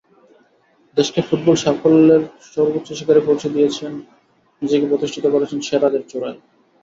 দেশকে ফুটবল সাফল্যের সর্বোচ্চ শিখরে পৌঁছে দিয়েছেন, নিজেকে প্রতিষ্ঠিত করেছেন সেরাদের চূড়ায়।